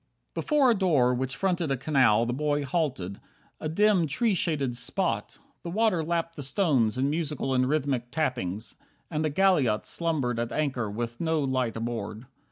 8 Before a door which fronted a canal The boy halted. A dim tree shaded spot. The water lapped the stones in musical And rhythmic tappings, and a galliot Slumbered at anchor with no light aboard.